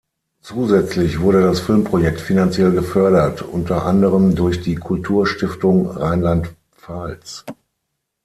Zusätzlich wurde das Filmprojekt finanziell gefördert, unter anderem durch die Kulturstiftung Rheinland-Pfalz.